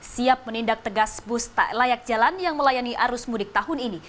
siap menindak tegas bus tak layak jalan yang melayani arus mudik tahun ini